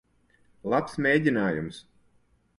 Labs mēģinājums.